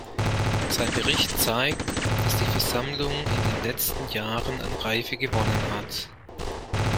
Sein Bericht zeigt, dass die Versammlung in den letzten Jahren an Reife gewonnen hat.